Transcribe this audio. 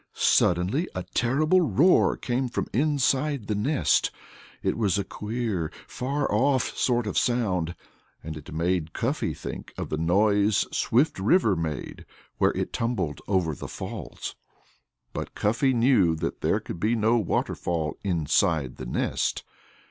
Suddenly a terrible roar came from inside the nest. It was a queer, far off sort of sound, and it made Cuffy think of the noise Swift River made, where it tumbled over the falls. But Cuffy knew that there could be no water fall inside the nest.